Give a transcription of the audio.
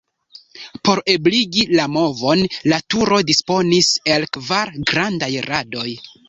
Por ebligi la movon, la turo disponis el kvar grandaj radoj.